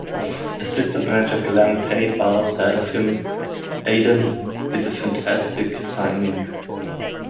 Assistant-manager Glenn Pennyfather said of him, Aidan is a fantastic signing.